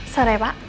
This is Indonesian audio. selamat sore pak